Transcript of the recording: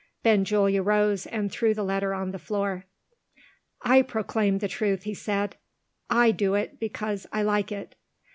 Benjulia rose, and threw the letter on the floor. "I proclaim the truth," he said; "I do it because I like it.